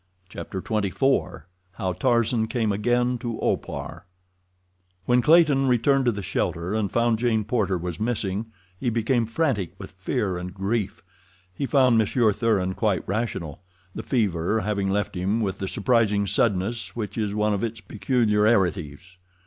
Chapter XXIV How Tarzan Came Again to Opar When Clayton returned to the shelter and found Jane Porter was missing, he became frantic with fear and grief. He found Monsieur Thuran quite rational, the fever having left him with the surprising suddenness which is one of its peculiarities.